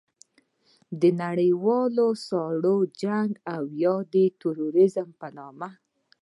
د نړیوال سوړ جنګ او یا د تروریزم په نوم